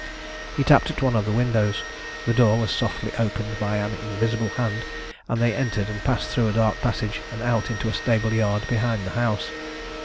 He tapped at one of the windows. The door was softly opened by an invisible hand, and they entered and passed through a dark passage and out into a stable yard behind the house.